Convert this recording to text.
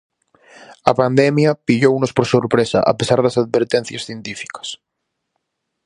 A pandemia pillounos por sorpresa, a pesar das advertencias científicas.